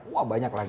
wah banyak lagi